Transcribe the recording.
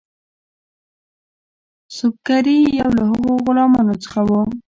سُبکري یو له هغو غلامانو څخه وو.